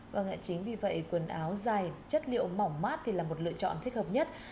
vâng ạ chính vì vậy quần áo dài chất liệu mỏng mát thì là một lựa chọn thích hợp nhất